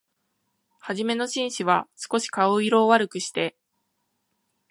はじめの紳士は、すこし顔色を悪くして、